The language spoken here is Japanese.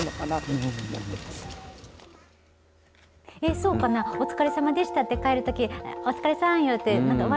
そうかな、お疲れ様でしたって帰るときお疲れさん言うて笑